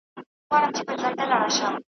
په دې تور اغزن سفر کي انسانان لکه ژوري .